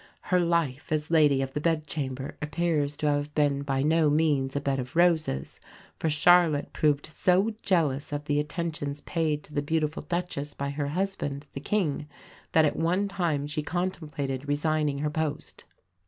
Her life as Lady of the Bedchamber appears to have been by no means a bed of roses, for Charlotte proved so jealous of the attentions paid to the beautiful Duchess by her husband, the King, that at one time she contemplated resigning her post.